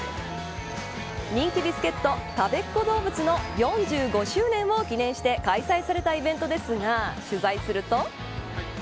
人気ビスケットたべっ子どうぶつの４５周年を記念して開催されたイベントですが取材すると。